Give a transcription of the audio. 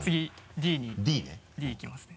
「Ｄ」いきますね。